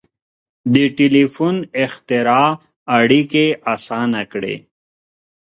• د ټیلیفون اختراع اړیکې آسانه کړې.